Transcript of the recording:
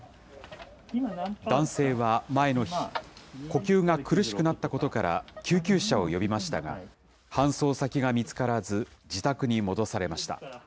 男性は前の日、呼吸が苦しくなったことから救急車を呼びましたが、搬送先が見つからず自宅に戻されました。